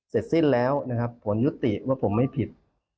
เสร็จสิ้นแล้วนะครับผลยุติว่าผมไม่ผิด